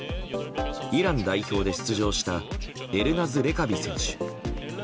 イラン代表で出場したエルナズ・レカビ選手。